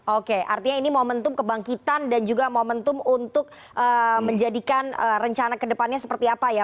oke artinya ini momentum kebangkitan dan juga momentum untuk menjadikan rencana kedepannya seperti apa ya